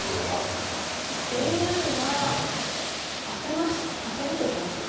ＡＩはアテると言ってます。